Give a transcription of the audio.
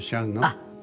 あっ！